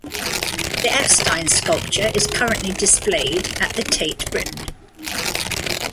The Epstein sculpture is currently displayed at the Tate Britain.